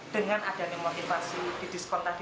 dengan adanya motivasi di diskon tadi